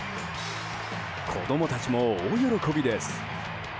子供たちも大喜びです。